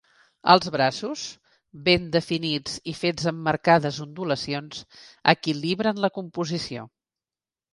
Els braços, ben definits i fets amb marcades ondulacions, equilibren la composició.